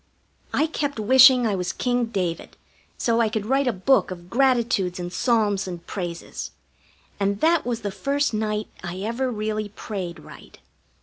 I kept wishing I was King David, so I could write a book of gratitudes and psalms and praises, and that was the first night I ever really prayed right.